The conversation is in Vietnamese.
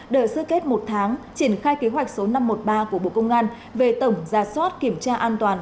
đợi sơ kết một tháng triển khai kế hoạch số năm trăm một mươi ba của bộ công an về tổng ra soát kiểm tra an toàn